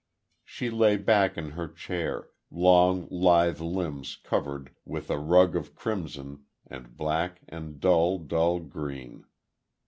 She lay back in her chair, long, lithe limbs covered with a rug of crimson and black and dull, dull green.